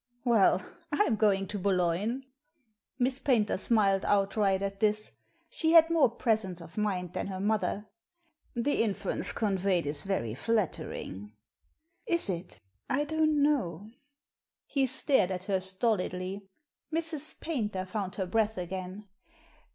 " Well, I'm going to Boulogne." Miss Paynter smiled outright at this; she had more presence of mind than her mother. "The inference conveyed is very flattering." "Is it? I don't know." He stared at her stolidly. Mrs. Paynter found her breath again.